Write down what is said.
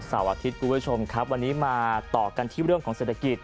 อาทิตย์คุณผู้ชมครับวันนี้มาต่อกันที่เรื่องของเศรษฐกิจ